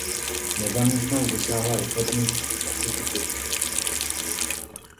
Nezaměstnanost dosáhla rekordních dvaceti pěti procent.